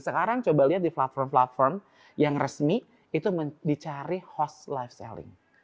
sekarang coba lihat di platform platform yang resmi itu dicari host life selling